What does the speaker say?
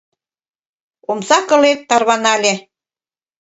Омса кылет тарванале